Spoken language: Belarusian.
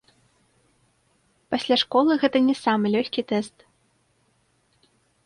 Пасля школы гэта не самы лёгкі тэст.